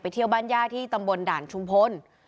เที่ยวบ้านย่าที่ตำบลด่านชุมพล